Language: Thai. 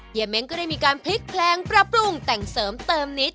เม้งก็ได้มีการพลิกแพลงปรับปรุงแต่งเสริมเติมนิด